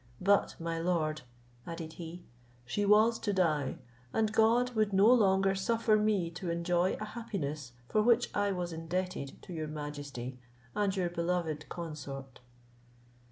But, my lord," added he, "she was to die, and God would no longer suffer me to enjoy a happiness for which I was indebted to your majesty and your beloved consort."